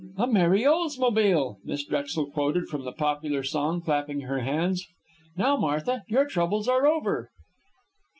"'A Merry Oldsmobile!'" Miss Drexel quoted from the popular song, clapping her hands. "Now, Martha, your troubles are over."